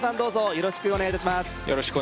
よろしくお願いします